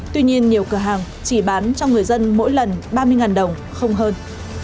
tuy nhiên nhiều cửa hàng chỉ bán cho người dân mỗi lần ba mươi đồng không hơn